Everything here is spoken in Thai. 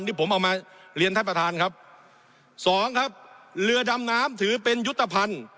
ที่ผมเอามาเรียนท่านประธานครับสองครับเรือดำน้ำถือเป็นยุทธภัณฑ์